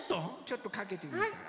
ちょっとかけてみたら？